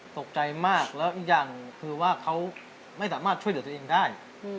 ตกใจมากแล้วยังคือว่าเขาไม่สามารถช่วยเดี๋ยวตัวเองได้